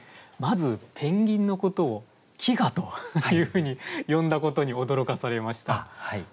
まずペンギンのことを「企鵞」というふうに詠んだことに驚かされました。